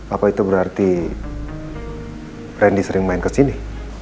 apa itu berarti randy sering main kesini